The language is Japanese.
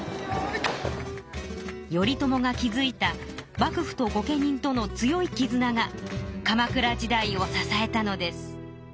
頼朝が築いた幕府と御家人との強いきずなが鎌倉時代を支えたのです。